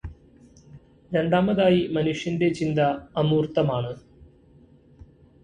രണ്ടാമതായി, മനുഷ്യന്റെ ചിന്ത അമൂർതമാണ്.